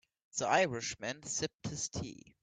The Irish man sipped his tea.